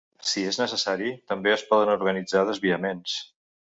Si és necessari, també es poden organitzar desviaments.